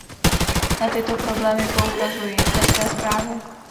Na tyto problémy poukazuji ve své zprávě.